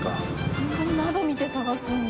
本当に窓見て探すんだ。